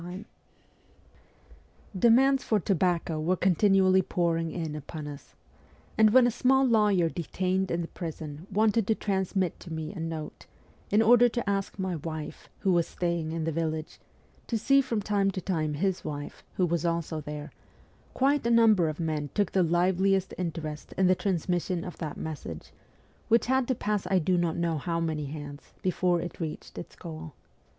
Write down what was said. WESTERN EUROPE 279 Demands for tobacco were continually pouring in upon us ; and when a small lawyer detained in the prison wanted to transmit to me a note, in order to ask my wife, who was staying in the village, to see from time to time his wife, who was also there, quite a number of men took the liveliest interest in the trans mission of that message, which had to pass I do not know how many hands before it reached its goal.